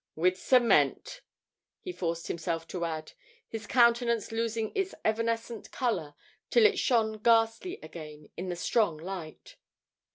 With cement," he forced himself to add, his countenance losing its evanescent colour till it shone ghastly again in the strong light.